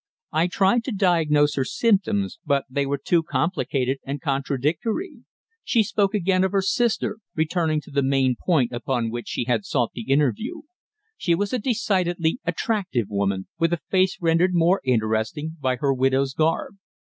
I tried to diagnose her symptoms, but they were too complicated and contradictory. She spoke again of her sister, returning to the main point upon which she had sought the interview. She was a decidedly attractive woman, with a face rendered more interesting by her widow's garb.